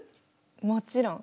もちろん。